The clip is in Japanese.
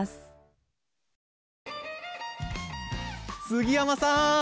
杉山さん！